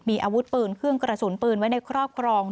มีอาวุธปืนเครื่องกระสุนปืนไว้ในครอบครอง